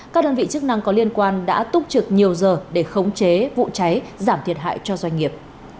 các đơn vị chức năng có liên quan đã túc trực nhiều giờ để khống chế vụ cháy giảm thiệt hại cho doanh nghiệp